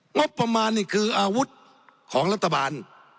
งบประมาณนี่คืออาวุธของรัฐบาล